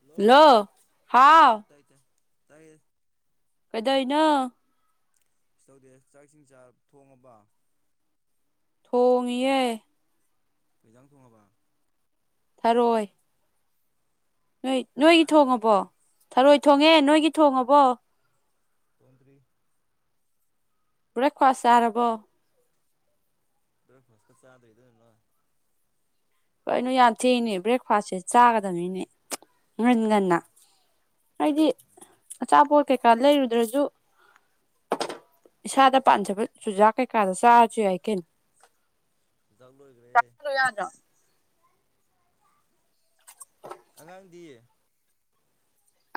Hello ꯍꯥꯎ ꯍꯥꯎ ꯇꯥꯏ ꯇ ꯇꯥꯏ ꯀꯗꯥꯏꯩꯅꯣ ꯁꯤ ꯇꯧꯗꯦ ꯆꯥꯛꯁꯤꯡꯤꯡ ꯆꯥ ꯊꯣꯡꯉꯕ ꯊꯣꯡꯉꯤꯦ ꯐꯩꯖꯪ ꯊꯉꯕ ꯊꯔꯣꯏ ꯅꯣꯏ ꯍꯥ ꯅꯣꯏꯒꯤ ꯊꯣꯡꯉꯕꯣ ꯊꯔꯣꯏ ꯊꯣꯡꯉꯦ ꯅꯣꯏꯒꯤ ꯊꯣꯡꯉꯕꯣ ꯇꯣꯟꯇ꯭ꯔꯤ ꯔꯦ ꯈꯣꯏꯁꯦꯥꯔꯕꯣ ꯐꯁꯀ ꯆꯥꯗꯗ ꯀꯣꯏꯩꯅꯣ ꯌꯥꯝ ꯊꯦꯡꯅꯦ ꯕ꯭ꯔꯦꯛꯐꯥꯁꯁꯦ ꯆꯥꯒꯗꯕꯅꯤꯅꯦ ꯉꯟ ꯎꯝ ꯉꯟꯅ ꯍꯥꯏꯗꯤ ꯎꯝ ꯑꯆꯥꯄꯣꯠ ꯀꯩꯀꯥ ꯂꯩꯔꯨꯗ꯭ꯔꯁꯨ ꯏꯁꯥꯗ ꯄꯥꯟꯖꯕ ꯆꯨꯖꯥꯛ ꯀꯩꯀꯥꯗ ꯆꯥꯔꯁꯨ ꯌꯥꯏꯀꯦ ꯆꯒꯂꯣ ꯏꯈꯔ ꯌꯥꯗ꯭ꯔꯣ ꯑꯉꯥꯡꯗꯤꯌꯦ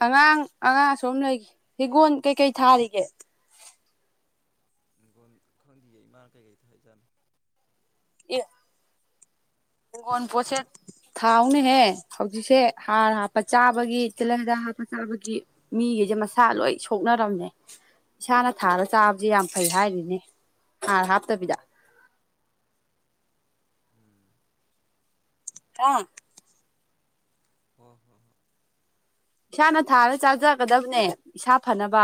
ꯑꯉꯥꯡ ꯑꯉꯥꯡ ꯁꯨꯝ ꯂꯩꯈꯤ ꯍꯤꯒꯣꯜ ꯀꯩꯀꯩ ꯊꯥꯔꯤꯒꯦ ꯍꯤꯡꯒꯣꯟꯜ ꯈꯪꯗꯌꯦ ꯏꯃꯥꯅ ꯀꯩꯀꯩꯗ ꯍꯥꯏꯖꯥꯠꯅꯣ ꯏ ꯍꯤꯡꯒꯣꯟ ꯄꯣꯠꯁꯦ ꯊꯥꯎꯅꯦꯍꯦ ꯍꯧꯖꯤꯛꯁꯦ ꯍꯥꯔ ꯍꯥ ꯄ ꯆꯥꯕꯒꯤ ꯇꯤꯜꯍꯟ ꯍꯤꯗ ꯍꯥꯄ ꯆꯥꯕꯒꯤ ꯃꯤꯈꯩꯁꯦ ꯃꯁꯥ ꯂꯣꯏ ꯁꯣꯛꯅꯔꯝꯃꯦ ꯏꯁꯥꯅ ꯊꯥꯔ ꯎꯝ ꯆꯥꯕꯁꯤ ꯌꯥꯝ ꯐꯩ ꯍꯥꯏꯔꯤꯅꯦ ꯍꯥꯔ ꯍꯥꯞꯇꯕꯤꯗ ꯎꯝ ꯑ ꯍꯣꯏ ꯍꯣ ꯍꯣꯏ ꯏꯁꯥꯅ ꯊꯥꯔ ꯆꯥꯖꯒꯗꯕꯅꯦ ꯏꯁꯥ ꯐꯅꯕ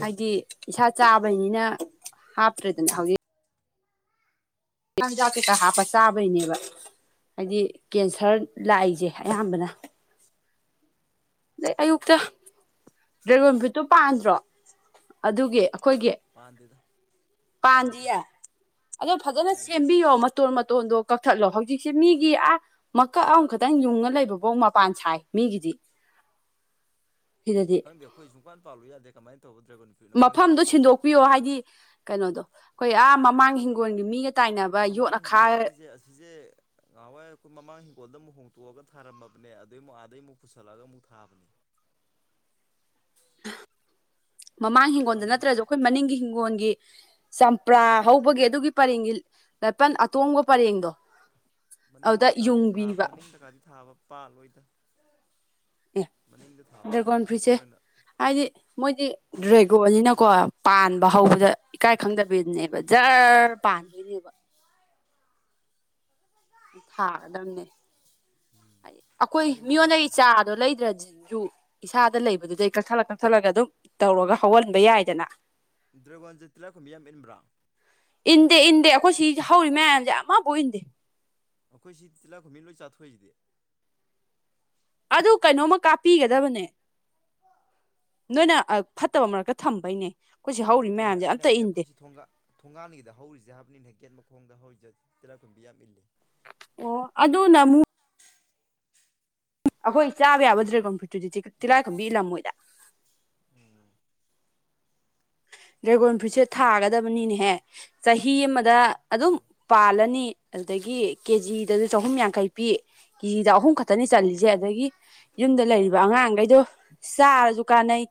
ꯍꯥꯏꯗꯤ ꯏꯁꯥ ꯆꯥꯕꯅꯤꯅ ꯍꯥꯞꯇ꯭ꯔꯦꯗꯅ ꯍꯧꯖꯤꯛ ꯆꯤꯟꯖꯥꯛ ꯀꯩꯀꯥ ꯍꯥꯞꯄ ꯆꯥꯕꯩꯅꯦꯕ ꯍꯥꯏꯗꯤ ꯀꯦꯟꯁꯔ ꯂꯥꯛꯏꯁꯦ ꯑꯌꯥꯝꯕꯅ ꯑꯌꯨꯛꯇ ꯗ꯭ꯔꯦꯒ ꯇꯨ ꯄꯥꯟꯗ꯭ꯔꯣ ꯑꯗꯨꯒꯤ ꯑꯩꯈꯣꯏꯒꯤ ꯄꯥꯟꯗꯦꯗ ꯄꯥꯟꯗꯦ ꯄꯥꯟꯗꯤꯌꯦ ꯑꯗꯣ ꯐꯖꯅ ꯎꯝ ꯁꯦꯝꯕꯤꯌꯣ ꯃꯇꯣꯟ ꯃꯇꯣꯟꯗꯣ ꯀꯛꯊꯠꯂꯣ ꯍꯧꯖꯤꯛꯁꯦ ꯃꯤꯒꯤ ꯑ ꯃꯀꯛ ꯑꯃꯈꯛꯇꯪ ꯌꯨꯡꯉ ꯂꯩꯕꯐꯧ ꯃꯄꯥꯟ ꯁꯥꯏ ꯃꯤꯒꯤꯗꯤ ꯀꯤꯗꯗꯤ ꯈꯣꯏꯨꯡꯥꯟꯥꯜꯂ ꯌꯥꯗꯦ ꯀꯃꯥꯏ ꯇꯧꯕꯗ꯭ꯔꯒꯅꯣ ꯃꯐꯝꯗꯣ ꯁꯤꯟꯗꯣꯛꯄꯤꯌꯣ ꯍꯥꯏꯗꯤ ꯀꯩꯅꯣꯗꯣ ꯑꯩꯈꯣꯏ ꯑꯥ ꯃꯃꯥꯡ ꯍꯤꯡꯒꯣꯜꯒꯤ ꯃꯤꯒ ꯇꯥꯏꯅꯕ ꯌꯣꯠ ꯃꯃꯥꯡ ꯑꯈꯥ ꯏꯤꯡꯈꯣꯜꯗ ꯍꯥꯏꯁꯦ ꯑꯁꯤꯁꯦ ꯉꯍꯥꯟꯋꯥꯏ ꯑꯩꯈꯣꯏ ꯃꯃꯥꯡ ꯍꯤꯡꯒꯣꯜꯗ ꯑꯃꯨꯛ ꯍꯣꯡꯇꯣꯛꯑꯒ ꯊꯥꯔꯝꯃꯕꯅꯦ ꯑꯗꯨꯗꯏꯨ ꯑꯥꯗꯩ ꯑꯃꯨꯛ ꯄꯨꯁꯜꯂꯒ ꯑꯃꯨꯛ ꯊꯥꯕꯅꯦ ꯃꯃꯥꯡ ꯍꯤꯡꯒꯣꯜꯗ ꯑꯗꯣ ꯁꯨꯡ ꯅꯠꯇ꯭ꯔꯁꯨ ꯑꯩꯈꯣꯏ ꯃꯅꯤꯡꯒꯤ ꯍꯤꯡꯒꯣꯜꯒꯤ ꯆꯝꯄ꯭ꯔꯥ ꯍꯧꯕꯒꯤ ꯑꯗꯨꯒꯤ ꯄꯔꯦꯡꯒꯤ ꯂꯄꯜ ꯑꯇꯣꯡꯕ ꯄꯔꯦꯡꯗꯣ ꯑꯗꯨꯗ ꯌꯨꯡꯕꯤꯕ ꯇꯀꯥꯗꯤ ꯊꯥꯕ ꯄꯥꯜ ꯑꯣꯏꯗ ꯑꯦ ꯊꯥꯕ ꯗ꯭ꯔꯦꯒꯣꯟ ꯄꯣꯠꯄꯨ ꯐ꯭ꯔꯨꯏꯠꯁꯦ ꯄꯣꯠ ꯑꯣꯏꯅ ꯍꯥꯏꯗꯤ ꯃꯣꯏꯗꯤ ꯗ꯭ꯔꯦꯒꯣꯅꯤꯅꯀꯣ ꯄꯥꯟꯕ ꯑꯥ ꯍꯧꯕꯗ ꯏꯀꯥꯏ ꯈꯪꯗꯕꯤꯗꯅꯦꯕ ꯖꯔ ꯄꯥꯟꯕꯥꯟꯗꯣꯏꯅꯦꯕ ꯊꯥꯒꯗꯕꯅꯦ ꯑꯩꯈꯣꯏ ꯃꯅꯤꯡꯗ ꯃꯤꯉꯣꯟꯗꯒꯤ ꯄꯥꯜꯂꯦ ꯆꯥ ꯑꯗꯣ ꯂꯩꯗ꯭ꯔꯥꯖꯤꯁꯨꯨ ꯏꯁꯥꯗ ꯂꯩꯕꯗꯨꯗꯩ ꯀꯛꯊꯠꯂ ꯀꯛꯊꯠꯂꯒ ꯑꯗꯨꯝ ꯇꯧꯔꯒ ꯍꯧꯍꯟꯕ ꯌꯥꯏꯗꯅ ꯗ꯭ꯔꯦꯒꯣꯟꯁꯦ ꯇꯤꯂꯛꯈꯨꯝ ꯃꯤꯌꯥꯝ ꯏꯟꯕ꯭ꯔꯥ ꯏꯟꯗꯦ ꯏꯟꯗꯦ ꯑꯩꯈꯣꯏ ꯁꯤ ꯍꯧꯔꯤ ꯃꯌꯥꯝꯁꯦ ꯑꯃꯕꯨ ꯏꯟꯗꯦ ꯑꯩꯈꯣꯏ ꯁꯤꯗꯤ ꯆꯤꯂꯛꯈꯄ ꯃꯤ ꯂꯣꯏ ꯆꯥꯊꯣꯛꯣꯏꯏꯁꯤꯗꯤ ꯑꯗꯨ ꯀꯩꯅꯣꯝꯃ ꯀꯥꯞꯄꯤꯒꯗꯕꯅꯦ ꯅꯣꯏꯅ ꯐꯠꯇꯕ ꯃꯔꯛꯇ ꯊꯝꯕꯩꯅꯦ ꯑꯩꯈꯣꯏ ꯁꯤ ꯍꯧꯔꯤ ꯅꯠꯇꯦ ꯃꯌꯥꯝꯁꯦ ꯑꯩꯅ ꯑꯝꯇ ꯍꯥꯏꯇꯦ ꯏꯟꯗꯦ ꯈꯨꯣꯏꯠꯁꯤ ꯊꯣꯡꯒ ꯊꯣꯡꯒꯥꯡꯉꯗ ꯍꯧꯔꯤꯁꯦ ꯍꯥꯏꯕꯅꯤꯅ ꯒꯦꯠ ꯃꯈꯣꯡꯗ ꯍꯧꯔꯤꯁꯦ ꯇꯦꯔꯥꯈꯨꯟꯕꯤ ꯌꯥꯝ ꯏꯜꯂꯤ ꯑꯣ ꯑꯗꯨꯅ ꯑꯃꯨꯛ ꯑꯩꯈꯣꯏ ꯆꯥꯕ ꯌꯥꯕ ꯗ꯭ꯔꯦꯒꯟ ꯐ꯭ꯔꯨꯠꯇꯨꯗꯤ ꯇꯤꯂꯥꯏꯈ ꯀꯝꯕꯤꯒꯤ ꯂꯝꯃꯣꯏꯗ ꯎꯝ ꯗ꯭ꯔꯦꯒꯣꯟ ꯐ꯭ꯔꯨꯏꯠꯁꯦ ꯊꯥꯒꯗꯕꯅꯤꯅꯦꯍꯦ ꯆꯍꯤ ꯑꯃꯗ ꯑꯗꯨꯝ ꯎꯝ ꯄꯥꯜꯂꯅꯤ ꯑꯗꯨꯗꯒꯤ ꯀꯦꯖꯤꯗꯁꯨ ꯆꯍꯨꯝ ꯌꯥꯡꯈꯩ ꯄꯤ ꯀꯦꯖꯤꯗ ꯑꯍꯨꯝ ꯈꯛꯇꯅꯤ ꯆꯜꯂꯤꯠꯂꯤꯁꯦ ꯑꯗꯒꯤ ꯌꯨꯝꯗ ꯂꯩꯔꯤꯕ ꯑꯉꯥꯡꯈꯩꯗꯣ ꯆꯥꯔꯁꯨ ꯀꯥꯟꯅꯩ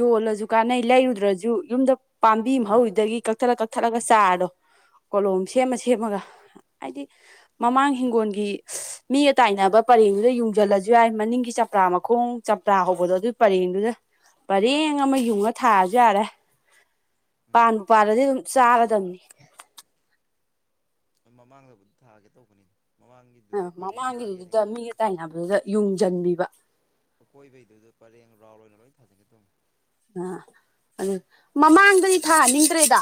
ꯌꯣꯜꯂꯁꯨ ꯀꯥꯟꯅꯩ ꯂꯩꯔꯨꯗ꯭ꯔꯁꯨ ꯑꯗꯨ ꯌꯨꯝꯗ ꯄꯥꯝꯕꯤ ꯃꯔꯤꯗꯒꯤ ꯀꯛꯊꯠꯂ ꯀꯛꯊꯠꯂꯒ ꯆꯥꯔꯔꯣ ꯀꯣꯂꯣꯝ ꯁꯦꯝꯃ ꯁꯦꯝꯃꯒ ꯍꯥꯏꯗꯤ ꯃꯃꯥꯡ ꯍꯤꯡꯒꯣꯜꯒꯤ ꯃꯤꯒ ꯇꯥꯏꯅꯕ ꯄꯔꯦꯡꯗꯨꯗ ꯌꯨꯡꯁꯤꯜꯂꯁꯨ ꯌꯥꯏ ꯃꯅꯤꯡꯒꯤ ꯆꯄ꯭ꯔꯥ ꯃꯈꯣꯡ ꯆꯄ꯭ꯔꯥ ꯍꯧꯕꯗꯣ ꯑꯗꯨꯒꯤ ꯄꯔꯦꯡꯗꯨꯗ ꯄꯔꯦꯡ ꯑꯃ ꯌꯨꯡꯉ ꯊꯥꯔꯁꯨ ꯌꯥꯔꯦ ꯄꯥꯟ ꯄꯥꯂꯗꯤ ꯑꯗꯨꯝ ꯆꯥꯒꯗꯝꯕꯅꯤ ꯍꯣꯏ ꯃꯃꯥꯡꯗꯕꯨꯗꯤ ꯊꯥꯒꯦ ꯇꯧꯕꯅꯤꯅ ꯑ ꯃꯃꯥꯡꯒꯤꯗꯨꯗ ꯄꯔꯦꯡ ꯅꯥꯒꯦ ꯃꯃꯥꯡꯒꯤꯗꯨꯗ ꯏꯪꯈꯣꯜ ꯃꯤꯒ ꯇꯥꯏꯅꯕꯗꯨꯗ ꯌꯨꯡꯖꯟꯕꯤꯕ ꯑꯀꯣꯏꯕꯩꯗꯨꯗ ꯄꯔꯦꯡ ꯔꯥꯎꯜ ꯑꯣꯏꯅ ꯂꯣꯏꯅ ꯊꯥꯖꯤꯟꯒꯦ ꯇꯧꯅꯤ꯫ ꯑ ꯑꯗꯨ ꯔꯥꯎꯟ ꯃꯃꯥꯡꯗꯗꯤ ꯊꯥꯖꯤꯜꯂꯗꯤ ꯊꯥꯍꯟ ꯍꯌꯦꯡ ꯅꯤꯡꯗ꯭ꯔꯦꯗ꯫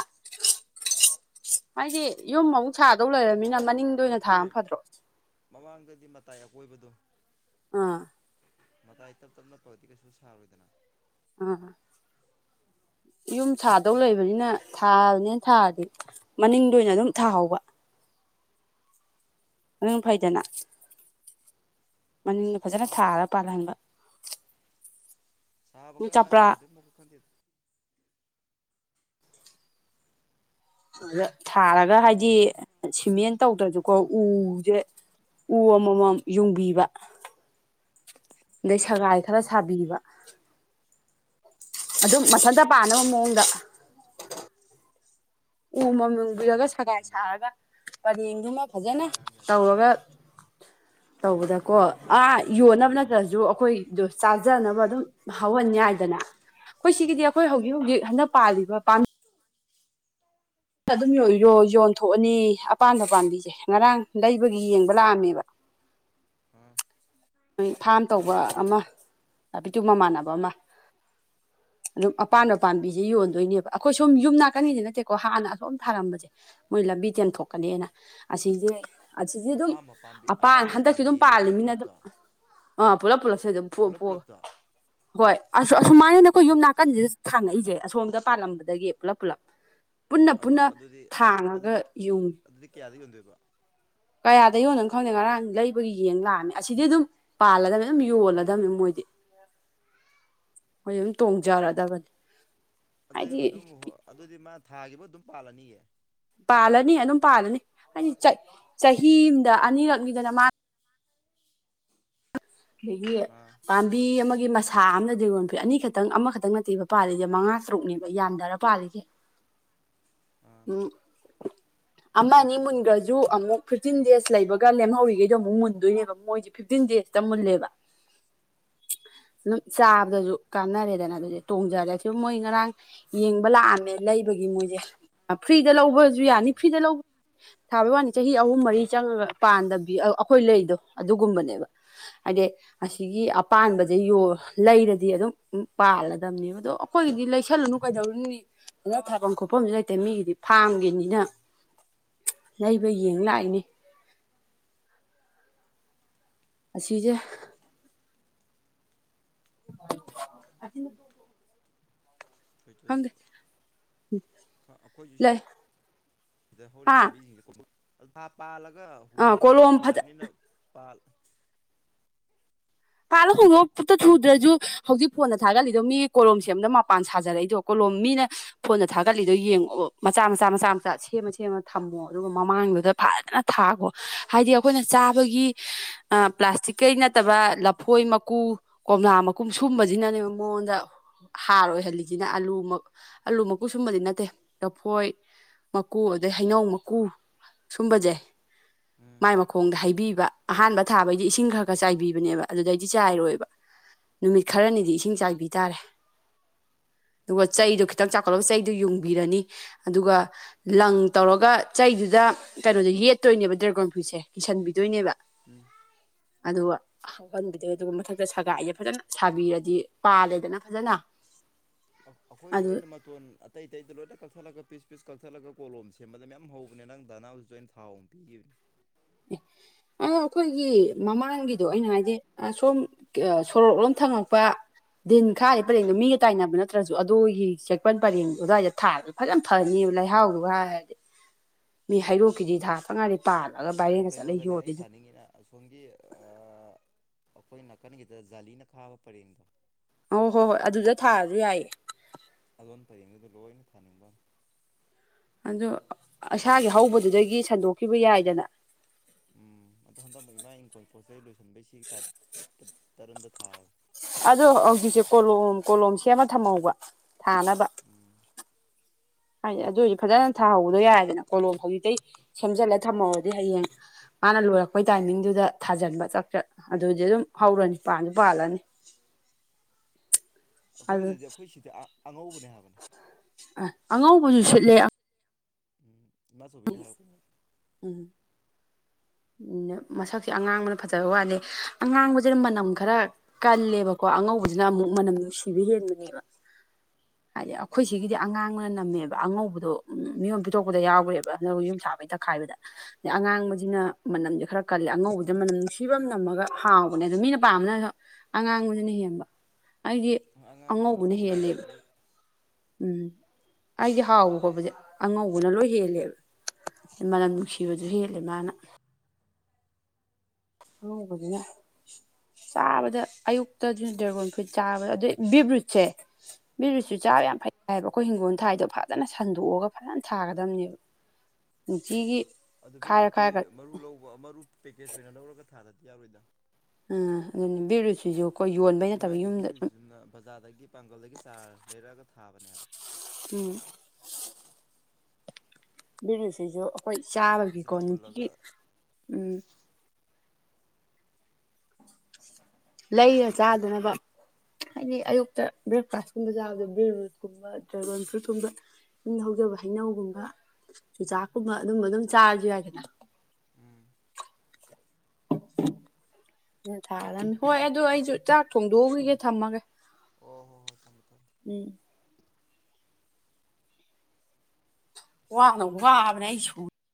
ꯍꯥꯏꯗꯤ ꯌꯨꯝ ꯑꯃꯨꯛ ꯁꯥꯗꯧ ꯂꯩꯔꯕꯃꯤꯅ ꯃꯅꯤ ꯅꯠꯇꯦ ꯃꯃꯥꯡꯗꯗꯤ ꯃꯇꯥꯏ ꯑꯀꯣꯏꯕꯗꯣ꯫ ꯑꯥ ꯃꯇꯥꯏ ꯇꯞ ꯇꯞ ꯅꯞ ꯄꯒꯗꯤ ꯀꯩꯁꯨ ꯁꯥꯔꯣꯏꯗꯅ꯫ ꯑ꯫ [inaudible] ꯌꯨꯝ ꯁꯥꯗꯧ ꯑꯗꯨꯒ ꯂꯩꯕꯅꯤꯅ ꯊꯥꯕꯅꯤꯅ ꯊꯥꯔꯗꯤ ꯃꯅꯤꯡꯗ ꯑꯣꯏꯅ ꯑꯗꯨꯝ ꯊꯥꯍꯧꯕ꯫ ꯑꯗꯨ ꯐꯩꯗꯅ ꯃꯅꯤꯡꯗ ꯐꯖꯅ ꯁꯥꯕ ꯊꯥꯔꯒ ꯄꯔꯒ ꯁꯥꯕ ꯀꯔꯝ ꯀꯥꯟꯗ ꯁꯥꯗꯣꯏꯃꯨꯛꯀ ꯈꯪꯗꯦꯗꯣ ꯑꯗ ꯊꯥꯔꯒ ꯍꯥꯏꯗꯤ ꯁꯤꯃꯦꯟ ꯇꯧꯗ꯭ꯔꯁꯨꯀꯣ ꯎꯁꯦ ꯎ ꯑꯃꯃꯝ ꯌꯨꯡꯕꯤꯕ ꯑꯗꯩ ꯁꯒꯥꯏ ꯈꯔ ꯁꯥꯕꯤꯕ ꯑꯗꯨꯝ ꯃꯊꯟꯇ ꯄꯥꯅꯕ ꯃꯑꯣꯡꯗ ꯎꯝ ꯎ ꯑꯃ ꯃꯝ ꯌꯨꯡꯕꯤꯔꯒ ꯁꯒꯥꯏ ꯁꯥꯔꯒ ꯄꯔꯦꯡꯗꯨꯃ ꯐꯖꯅ ꯂꯥꯡꯕ ꯌꯥꯗꯦ ꯇꯧꯔꯒ꯫ ꯇꯧꯕꯗꯀꯣ ꯑꯥ ꯌꯣꯟꯅꯕ ꯑꯥ ꯅꯠꯇ꯭ꯔꯁꯨ ꯑꯩꯈꯣꯏ꯫ ꯑꯗꯨ ꯆꯥꯖꯅꯕ ꯑꯗꯨꯝ ꯍꯧꯍꯟꯌꯥꯏꯗꯅ꯫ ꯑꯩꯈꯣꯏ ꯍꯣꯏ ꯁꯤꯒꯤꯗꯤ ꯍꯣꯏ ꯑꯩꯈꯣꯏ ꯍꯧꯖꯤꯛ ꯍꯧꯖꯤꯛ ꯍꯟꯗꯛ ꯄꯥꯜꯂꯤꯕ ꯄꯥꯝ ꯑꯗꯨꯝ ꯌꯣꯟ ꯌꯣꯟꯊꯣꯛꯑꯅꯤ ꯑꯄꯥꯟꯕ ꯄꯥꯝꯕꯤꯁꯦ ꯉꯔꯥꯡ ꯂꯩꯕꯒꯤ ꯌꯦꯡꯕ ꯂꯥꯛꯑꯝꯃꯦꯕ꯫ [unintelligible] ꯑꯥ ꯅꯣꯏ ꯐꯥꯝ ꯇꯧꯕ ꯑꯃ ꯕꯤꯇꯨ ꯃꯃꯥꯟꯅꯕ ꯑꯃ꯫ ꯑꯗꯨꯝ ꯑꯄꯥ ꯑꯥ ꯄꯥꯝꯕꯤꯁꯦ ꯌꯣꯟꯗꯣꯏꯅꯦꯕ ꯑꯩꯈꯣꯏ ꯁꯨꯝ ꯌꯨꯝ ꯅꯥꯀꯟꯒꯤꯁꯦ ꯅꯠꯇꯦꯀꯣ ꯍꯥꯟꯅ꯫ ꯁꯣꯝ ꯊꯥꯔꯝꯕꯁꯦ ꯃꯣꯏ ꯂꯝꯕꯤ ꯇꯦꯟꯊꯣꯛꯀꯅꯦꯅ ꯑꯁꯤꯁꯦ꯫ ꯑꯁꯤꯖꯦ ꯑꯗꯨꯝ ꯑꯄꯥꯝꯕ ꯄꯥꯝꯕꯤ ꯑꯄꯥꯟ ꯑꯄꯥꯝꯕ ꯍꯟꯗꯛꯁꯨ ꯑꯗꯨꯝ ꯄꯥꯝꯕꯤꯗꯤ ꯄꯥꯜꯂꯤ ꯄꯨꯂꯞ ꯃꯤꯅ ꯑꯗꯨꯝ꯫ ꯄꯨꯂꯞꯇꯣ ꯑ ꯄꯨꯂꯞ ꯄꯨꯂꯞ ꯁꯨꯋꯥꯏꯗ ꯑꯗꯨꯝ ꯐꯨꯛꯑ ꯄꯨꯂꯞ ꯐꯨꯛꯑꯒ꯫ ꯄꯨꯂꯞꯇꯣ ꯍꯣꯏ ꯑꯁ ꯑꯁꯨꯃꯥꯏꯅꯅꯦ ꯑꯩꯈꯣꯏ ꯌꯨꯝ ꯅꯥꯀꯟꯁꯤꯗ ꯊꯥꯡꯉꯛꯏꯁꯦ ꯑꯁꯣꯝꯗ ꯄꯥꯜꯂꯝꯕꯗꯒꯤ ꯄꯨꯂꯞ ꯄꯨꯂꯞ꯫ ꯄꯨꯟꯅ ꯑꯣ ꯄꯨꯟꯅ ꯑꯗꯨꯗꯤ ꯊꯥꯡꯉꯒ ꯑꯗꯨꯗꯤ ꯌꯨꯡꯉꯤ ꯑꯗꯨꯗꯤ ꯀꯌꯥꯗ ꯌꯣꯟꯗꯣꯏꯕ꫰꫰ ꯀꯌꯥꯗ ꯌꯣꯟꯅꯕꯅꯣ ꯈꯪꯗꯦ ꯉꯔꯥꯡ ꯂꯩꯕꯒꯤ ꯌꯦꯡ ꯂꯥꯛꯑꯝꯅꯤ ꯑꯁꯤꯗꯤ ꯑꯗꯨꯝ꯫ ꯄꯥꯜꯂꯒꯅ ꯑꯗꯨꯝ ꯌꯣꯜꯂꯗꯝꯅꯤ ꯃꯣꯏꯗꯤ꯫ ꯃꯣꯏꯗꯤ ꯑꯗꯨꯝ ꯇꯣꯡꯖꯔꯗꯕꯅꯤ꯫ ꯑꯗꯨꯏ ꯍꯥꯏꯗꯤ ꯃꯗꯨꯝ ꯍꯣꯏ ꯑꯗꯨꯗꯤ ꯃꯥ ꯊꯥꯒꯤꯈꯤꯕ ꯑꯗꯨꯝ ꯄꯥꯜꯂꯅꯤꯌꯦ꯫ ꯄꯥꯜꯂꯅꯤ ꯑꯗꯨꯝ ꯄꯥꯜꯂꯅꯤ ꯍꯥꯏꯗꯤ ꯆ ꯆꯍꯤ ꯑꯃꯗ ꯑꯅꯤꯔꯛꯅꯤꯗꯅ ꯃꯥꯅ ꯑꯗꯤꯒꯤ꯫ ꯑꯥ ꯄꯥꯝꯕꯤ ꯑꯃꯒꯤ ꯃꯁꯥ ꯑꯃꯗꯤ ꯌꯣꯟꯈꯏ ꯑꯅꯤꯈꯛꯇꯪ ꯑꯃꯈꯛꯇꯪ ꯅꯠꯇꯦꯕ ꯄꯥꯜꯂꯤꯁꯦ ꯃꯉꯥ ꯇꯔꯨꯛꯅꯦꯕ ꯌꯥꯟꯊꯔ ꯄꯥꯜꯂꯤꯁꯦ꯫ ꯎꯝ꯫ [unintelligible] ꯑꯃꯅꯤ ꯃꯨꯟꯈ꯭ꯔꯁꯨ ꯑꯃꯨꯛ ꯐꯤꯐꯇꯤꯟ ꯗꯦꯖ ꯂꯩꯕꯒꯅꯦ ꯂꯦꯝꯍꯧꯔꯤꯈꯩꯗꯣ ꯑꯃꯨꯛ ꯃꯨꯟꯗꯣꯏꯅꯦꯕ ꯃꯣꯏꯁꯦ꯫ ꯐꯤꯐꯇꯤꯟ ꯗꯦꯖꯇ ꯃꯨꯜꯂꯦꯕ꯫ ꯑꯗꯨꯝ ꯆꯥꯕꯗꯁꯨ ꯀꯥꯟꯅꯔꯦꯗꯅ ꯑꯗꯨꯗꯤ ꯇꯣꯡꯖꯔꯦ ꯁꯨꯝ ꯃꯣꯏ ꯉꯔꯥꯡ꯫ ꯌꯦꯡꯕ ꯂꯥꯛꯑꯝꯃꯦ ꯂꯩꯕꯒꯤ ꯃꯣꯏꯁꯦ ꯐ꯭ꯔꯤꯗ ꯂꯧꯕꯁꯨ ꯌꯥꯅꯤ ꯎꯝ ꯐ꯭ꯔꯤꯗ ꯂꯧꯕ꯫ ꯊꯥꯕꯩ ꯋꯥꯅꯤ ꯆꯍꯤ ꯑꯍꯨꯝ ꯃꯔꯤ ꯆꯪꯉꯒ ꯄꯥꯟꯗꯕꯤ ꯑꯩꯈꯣꯏ ꯂꯩꯗꯣ ꯑꯗꯨꯒꯨꯝꯕꯅꯦꯕ꯫ ꯍꯥꯏꯗꯤ ꯑꯁꯤꯒꯤ ꯑꯄꯁꯦ ꯌꯣꯟ ꯂꯩꯔꯗꯤ ꯑꯗꯨꯝ ꯄꯥꯜꯂꯗꯝꯅꯦꯕ ꯑꯗꯣ꯫ ꯑꯩꯈꯣꯏꯒꯤꯗꯤ ꯂꯩꯁꯜꯂꯅꯨ ꯀꯩꯗꯧꯔꯨꯅꯤ ꯐꯖꯅ ꯊꯥꯐꯝ ꯈꯣꯠꯐꯝꯁꯨ ꯂꯩ ꯇꯦ ꯃꯤꯒꯤꯗꯤ ꯐꯥꯝꯒꯤꯅꯤꯅ ꯂꯩꯕ ꯌꯦꯡ ꯂꯥꯛꯏꯅꯤ꯫ ꯑꯁꯤꯁꯦ꯫ [inaudible] ꯍꯨꯏꯊꯨ꯫ ꯈꯪꯗꯦ [inaudible] ꯑꯩꯈꯣꯏꯁꯨ ꯂꯩ ꯁꯤꯗ ꯍꯧꯔꯤꯕ ꯍꯥ ꯄꯥꯝꯕꯤꯁꯤꯡꯁꯦ ꯀꯣꯝ [unintelligible] ꯄꯥꯜꯂꯒ ꯑꯥ ꯍꯧꯗꯣꯛꯄꯗꯨꯅ ꯀꯣꯂꯣꯝ ꯐꯖ ꯊꯨꯏꯕꯅꯤꯅ ꯄꯥꯜ [unintelligible] ꯇ ꯊꯎꯗ꯭ꯔꯦꯁꯨꯨ ꯍꯧꯖꯤꯛ ꯐꯣꯟꯗ ꯊꯥꯒꯠꯂꯤꯗꯣ ꯃꯤ ꯀꯣꯂꯣꯝꯁꯦꯝ ꯑꯝꯗ ꯃꯄꯥꯟ ꯁꯥꯖꯔꯛꯏꯗꯣ ꯀꯣꯂꯣꯝ ꯃꯤꯅ ꯐꯣꯟꯗ ꯊꯥꯒꯠꯂꯤꯗꯣ ꯌꯦꯡꯉꯛꯑꯣ ꯃꯆꯥ ꯃꯆꯥ ꯃꯆꯥ ꯃꯆꯥ ꯁꯦꯝꯃ ꯁꯦꯝꯃ ꯊꯝꯃꯣ ꯑꯗꯨꯒ ꯃꯃꯥꯡꯗꯨꯗ ꯐꯖꯅ ꯊꯥꯈꯣ ꯍꯥꯏꯗꯤ ꯑꯩꯈꯣꯏꯅ ꯆꯥꯕꯒꯤ ꯄ꯭ꯂꯥꯁꯇꯤꯛꯀꯩ ꯅꯠꯇꯕ ꯂꯐꯣꯏ ꯃꯀꯨ ꯀꯣꯝꯂꯥ ꯃꯀꯨꯝ ꯁꯨꯝꯕꯁꯤꯅꯅꯦꯕ ꯃꯉꯣꯟꯗ ꯍꯥꯔ ꯑꯣꯏꯍꯜꯂꯤꯁꯤꯅ ꯑꯂꯨ ꯑꯂꯨ ꯃꯀꯨ ꯁꯨꯝꯕꯗꯤ ꯅꯠꯇꯦ ꯂꯐꯣꯏ ꯃꯀꯨ ꯑꯗꯩ ꯍꯩꯅꯧ ꯃꯀꯨ ꯁꯨꯝꯕꯁꯦ꯫ ꯎꯝ꯫ ꯃꯥꯏ ꯃꯈꯣꯡꯗ ꯍꯩꯕꯤꯕ ꯑꯍꯥꯟꯕ ꯊꯥꯕꯩꯗꯤ ꯏꯁꯤꯡ ꯈꯔ ꯈꯔ ꯆꯥꯏꯕꯤꯕꯅꯦꯕ꯫ ꯑꯗꯨꯗꯩꯗꯤ ꯆꯥꯏꯔꯣꯏꯕ ꯅꯨꯃꯤꯠ ꯈꯔꯅꯤꯗꯤ ꯏꯁꯤꯡ ꯆꯥꯏꯕꯤ ꯇꯥꯔꯦ꯫ ꯑꯗꯨꯒ ꯆꯩꯗꯣ ꯈꯤꯇꯪ ꯆꯥꯛꯈꯠꯂꯒ ꯆꯩꯗꯣ ꯌꯨꯡꯕꯤꯔꯅꯤ ꯑꯗꯨꯒ꯫ ꯂꯪ ꯇꯧꯔꯒ ꯆꯩꯗꯨꯗ ꯀꯩꯅꯣꯗ ꯌꯦꯠꯇꯣꯏꯅꯦꯕ ꯗ꯭ꯔꯦꯒꯣꯟ ꯐ꯭ꯔꯨꯏꯠꯁꯦ ꯀꯤꯁꯟꯕꯤꯗꯣꯏꯅꯦꯕ꯫ ꯎꯝ ꯑꯗꯨ ꯑꯀꯟꯕꯗ ꯑꯗꯨꯒ ꯃꯊꯛꯇ ꯁꯒꯥꯏꯁꯦ ꯐꯖꯅ ꯁꯥꯕꯤꯔꯗꯤ ꯄꯥꯂꯦꯗꯅ ꯐꯖꯅ ꯫ ꯑꯩꯈꯣꯏꯁꯨ ꯑꯩꯅ ꯐꯣꯟ ꯑꯇꯩ ꯑꯇꯩꯗ ꯂꯣꯏꯅ ꯀꯛꯊꯠꯂꯒ ꯄꯤꯁ ꯄꯤꯁ ꯀꯛꯊꯠꯂꯒ ꯀꯣꯂꯣꯝ ꯁꯦꯝꯕꯗ ꯃꯌꯥꯝ ꯍꯧꯕꯅꯦ ꯅꯪ ꯗꯥꯅꯥꯕꯨꯁꯨ ꯑꯩꯅ ꯊꯥꯎ ꯄꯤꯌꯦ [unintelligible] ꯑ ꯑꯩꯈꯣꯏꯒꯤ ꯃꯃꯥꯡꯒꯤꯗꯣ ꯑꯩꯅ ꯍꯥꯏꯗꯤ ꯑꯁꯣꯝ ꯁꯣꯔꯣꯛꯂꯣꯝ ꯊꯪꯉꯛꯄ ꯫ ꯗꯤꯟ ꯈꯥꯔꯤ ꯄꯔꯦꯡꯗꯣ ꯃꯤꯒ ꯇꯥꯏꯅꯕ ꯅꯠꯇ꯭ꯔꯁꯨ ꯑꯗꯨꯒꯤ ꯆꯦꯛꯄꯟ ꯄꯔꯦꯡꯗ ꯑꯣꯖꯥꯗ ꯊꯥꯔ ꯐꯖꯅ ꯐꯅꯤꯕ ꯂꯩꯍꯥꯎꯗꯨ ꯍꯥꯏꯔꯗꯤ ꯃꯤ ꯍꯩꯔꯣꯛꯀꯤꯗꯤ ꯊꯥꯇꯉꯥꯔꯤ ꯄꯥꯜꯂꯦ ꯑꯗꯣ ꯀꯩꯅꯣꯗꯅꯦ ꯑꯩꯅ ꯊꯥꯅꯤꯡꯉꯤꯅ ꯑꯁꯣꯝꯒꯤ ꯑꯩꯈꯣꯏꯅ ꯀꯟꯅꯒꯤꯗ ꯖꯥꯂꯤꯅ ꯈꯥꯕ ꯄꯔꯦꯡꯗꯣ ꯫ ꯑꯣ ꯍꯣꯏ ꯍꯣꯏ ꯑꯗꯨꯗ ꯊꯥꯔꯁꯨ ꯌꯥꯏꯌꯦ ꯑꯗꯣꯟ ꯄꯔꯦꯡꯗꯨꯗ ꯂꯣꯏꯅ ꯊꯥꯅꯤꯡꯕ ꯋꯥꯅꯦ ꯑꯗꯨ ꯏꯁꯥꯒꯤ ꯍꯧꯕꯗꯨꯗꯒꯤ ꯁꯟꯗꯣꯛꯈꯤꯕ ꯌꯥꯏꯗꯅ ꯫ ꯎꯝ ꯑꯗꯣ ꯍꯟꯗꯛꯃꯛ ꯏꯃꯥ ꯏꯪꯈꯣꯜ ꯄꯣꯠ ꯆꯩꯩ ꯂꯣꯏꯁꯤꯟꯕꯩ ꯁꯤ ꯇꯔꯟꯗ ꯊꯥꯔꯒꯦ ꯫ ꯑꯗꯣ ꯍꯧꯖꯤꯛꯁꯦ ꯀꯣꯂꯣꯝ ꯀꯣꯂꯣꯝ ꯁꯦꯝꯃ ꯊꯝꯍꯧꯕ ꯊꯥꯅꯕ ꯎꯝ ꯍꯥꯏꯗꯤ ꯑꯗꯨ ꯑꯣꯏꯔꯗꯤ ꯐꯖꯅ ꯊꯥꯍꯧꯗꯣ ꯌꯥꯏꯗꯅ ꯀꯣꯂꯣꯝ ꯍꯧꯖꯤꯛꯇꯩ ꯁꯦꯝꯖꯤꯜꯂ ꯊꯝꯍꯧꯔꯗꯤ ꯍꯌꯦꯡ ꯃꯥꯅ ꯂꯣꯏꯔꯛꯄꯩ ꯇꯥꯏꯃꯤꯡꯗꯨꯗ ꯊꯥꯖꯤꯟꯕ ꯆꯛ ꯆꯛ ꯑꯗꯨꯗꯤ ꯑꯗꯨꯝ ꯍꯧꯔꯅꯤ ꯄꯥꯜꯁꯨ ꯄꯥꯜꯂꯅꯤ ꯑꯗꯨ ꯑꯩꯈꯣꯏꯗꯗꯤ ꯑꯩꯈꯣꯏ ꯁꯤꯗꯤ ꯑꯉꯧꯕꯅꯦ ꯍꯥꯏꯕꯅꯤ ꯑꯥ ꯑꯉꯧꯕꯁꯨ ꯁꯤꯠꯂꯦ ꯎꯝ ꯏꯃꯥ ꯆꯧꯕꯤꯅ ꯍꯥꯏꯔꯛꯄꯅꯤ ꯫ ꯎꯝ ꯃꯁꯛꯁꯦ ꯑꯉꯥꯡꯕꯅ ꯐꯖꯕ ꯋꯥꯠꯂꯦ ꯑꯉꯥꯡꯕꯁꯤꯅ ꯃꯅꯝ ꯈꯔ ꯀꯜꯂꯦꯕꯣ ꯀꯣ ꯑꯉꯧꯕꯁꯤꯅ ꯑꯃꯨꯛ ꯃꯅꯝ ꯅꯨꯡꯁꯤꯕ ꯍꯦꯟꯕꯅꯦꯕ ꯫ ꯍꯥꯏꯗꯤ ꯑꯩꯈꯣꯏ ꯁꯤꯒꯤꯗꯤ ꯑꯉꯥꯡꯕꯅ ꯅꯝꯃꯦꯕ ꯑꯉꯧꯕꯗꯣ ꯃꯤꯉꯟ ꯄꯤꯊꯣꯛꯄꯗ ꯌꯥꯎꯈ꯭ꯔꯦꯕ ꯑꯗꯨꯒ ꯌꯨꯝ ꯁꯥꯕꯩ ꯈꯥꯏꯕꯗ ꯑꯗꯩ ꯑꯉꯥꯡꯕꯁꯤꯅ ꯃꯅꯝꯁꯦ ꯈꯔ ꯀꯜꯂꯤ ꯑꯉꯧꯕꯁ ꯃꯅꯝ ꯅꯨꯡꯁꯤꯕ ꯅꯝꯃꯒ ꯍꯥꯎꯕꯅꯦ ꯑꯗꯣ ꯃꯤꯅ ꯄꯥꯝꯕꯅꯁꯨ ꯑꯉꯥꯡꯕꯅ ꯍꯦꯟꯕ ꯑꯩꯗꯤ ꯑꯉꯥꯡꯕꯗꯨꯅ ꯑꯉꯧꯕꯅ ꯃꯆꯨ ꯍꯦꯜꯂꯦꯕ ꯫ ꯐꯖꯕꯒꯤ ꯎꯝ ꯑꯩꯗꯤ ꯍꯥꯎꯕ ꯈꯣꯠꯄꯁꯦ ꯑꯉꯧꯕꯅ ꯂꯣꯏ ꯍꯦꯜꯂꯦꯕ ꯃꯅꯝ ꯅꯨꯡꯁꯤꯕꯗꯨ ꯍꯦꯜꯂꯦ ꯃꯥꯅ ꯫ ꯑꯉꯧꯕꯗꯨꯅ ꯆꯥꯕꯗ ꯑꯌꯨꯛꯇ ꯗꯤ ꯗ꯭ꯔꯦꯒꯣꯟ ꯐ꯭ꯔꯨꯏꯠ ꯆꯥꯕꯗ ꯑꯗꯨꯗꯩ ꯕꯤꯠꯔꯨꯠꯁꯦ ꯕꯤꯠꯔꯨꯠꯁꯨ ꯆꯥꯕ ꯑꯥ ꯌꯥꯝ ꯐꯩ ꯫ ꯍꯥꯏꯕ ꯑꯩꯈꯣꯏ ꯍꯤꯡꯒꯣꯜ ꯊꯥꯏꯗꯣ ꯐꯖꯅ ꯁꯟꯗꯣꯛꯑꯒ ꯐꯖꯅ ꯊꯥꯒꯗꯕꯅꯦꯕ ꯅꯨꯡꯇꯤꯒꯤ ꯑꯗꯨ ꯈꯥꯏꯔ ꯕꯦꯠꯔꯨꯇꯤ ꯈꯥꯏꯔꯒ ꯃꯔꯨ ꯂꯧꯕ ꯃꯔꯨ ꯄꯦꯀꯦꯖ ꯑꯣꯏꯅ ꯂꯧꯔꯒ ꯊꯥꯔꯗꯤ ꯌꯥꯔꯣꯏꯗ ꯫ ꯎꯝ ꯑꯗꯨꯅ ꯕꯤꯔꯔꯨꯠꯁꯤꯁꯨ ꯑꯩꯈꯣꯏ ꯌꯣꯟꯕꯩ ꯅꯠꯇꯕ ꯏꯃꯥꯏꯗꯨꯗꯤ ꯌꯨꯝꯗ ꯁꯨꯝ ꯆꯨꯝꯅ ꯕꯖꯥꯔꯗꯒꯤ ꯄꯥꯡꯒꯜꯗꯒꯤ ꯆꯥꯔ ꯂꯩꯔꯛꯑꯒ ꯊꯥꯕꯅꯦꯕ ꯎꯝ ꯕꯤꯔꯨꯠꯁꯤꯁꯨ ꯑꯩꯈꯣꯏ ꯆꯥꯕꯒꯤ ꯀꯣ ꯐꯖꯅ ꯅꯨꯡꯇꯤꯒꯤ ꯍꯨꯜꯂꯒ ꯎꯝ ꯂꯩꯔ ꯆꯥꯗꯅꯕ ꯍꯥꯏꯗꯤ ꯑꯌꯨꯛꯇ ꯕ꯭ꯔꯦꯛꯐꯥꯁꯀꯨꯝꯕ ꯆꯥꯕꯗ ꯕꯤꯔ ꯔꯨꯠꯀꯨꯝꯕ ꯗ꯭ꯔꯥꯒꯟ ꯐ꯭ꯔꯨꯠꯀꯨꯝꯕ ꯌꯨꯝꯗ ꯍꯧꯖꯕ ꯍꯩꯅꯧꯒꯨꯝꯕ ꯆꯨꯖꯥꯛꯀꯨꯝꯕ ꯑꯗꯨꯝꯕ ꯑꯗꯨꯝ ꯆꯥꯔꯁꯨ ꯌꯥꯏꯗꯅ ꯎꯝ ꯎ ꯊꯥꯔꯅꯤ ꯍꯣꯏ ꯑꯗꯨ ꯑꯩꯁꯨ ꯆꯥꯛ ꯊꯣꯡꯗꯣꯛꯎꯈꯤꯒꯦ ꯊꯝꯃꯒꯦ ꯑꯣ ꯍꯣ ꯍꯣꯏ ꯊꯝꯃꯦ ꯊꯝꯃꯦ ꯎꯝ ꯋꯥꯅꯒ ꯋꯥꯅꯦ ꯑꯩ ꯁꯧ